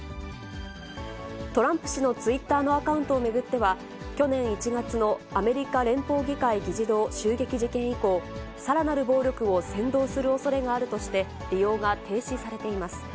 トランプ氏のツイッターのアカウントを巡っては、去年１月のアメリカ連邦議会議事堂襲撃事件以降、さらなる暴力を扇動するおそれがあるとして、利用が停止されています。